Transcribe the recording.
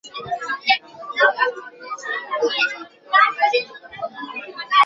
একারণে এবং quick sort কে dynamic programming হিসাবে ধরা হয়না।